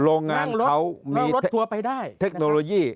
โรงงานเขามีเทคโนโลยี